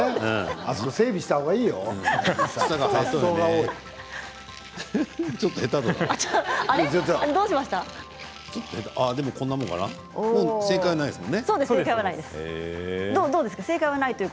あそこ整理した方がいいよね。